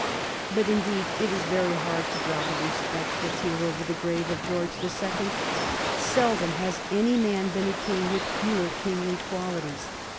But indeed it is very hard to drop a respectful tear over the grave of George the Second. Seldom has any man been a king with fewer kingly qualities.